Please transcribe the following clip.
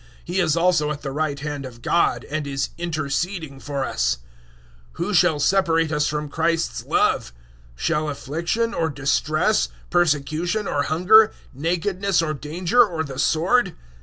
He is also at the right hand of God, and is interceding for us. 008:035 Who shall separate us from Christ's love? Shall affliction or distress, persecution or hunger, nakedness or danger or the sword?